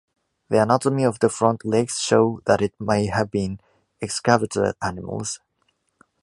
The anatomy of the front legs show that it may have been excavator animals.